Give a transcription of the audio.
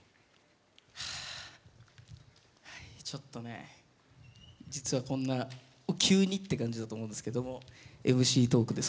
ちょっとね実はこんな急にって感じだと思うんですけどもＭＣトークです